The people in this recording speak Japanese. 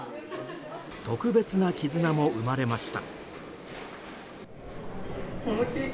特別な絆も生まれました。